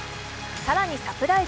更に、サプライズ。